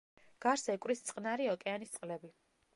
გარს ეკვრის წყნარი ოკეანის წყლები.